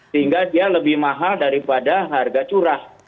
sehingga dia lebih mahal daripada harga curah